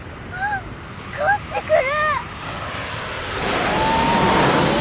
わあこっち来る！